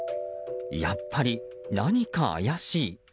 やっぱり、何か怪しい。